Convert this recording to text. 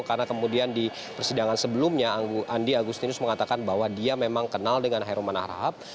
karena kemudian di persidangan sebelumnya andi agustinus mengatakan bahwa dia memang kenal dengan herman harahap